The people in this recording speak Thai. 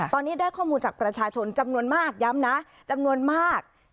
ตอนนี้ได้ข้อมูลจากประชาชนจำนวนมากย้ำนะจำนวนมาก